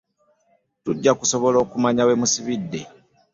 Tujja kusobola okumanya we musibidde.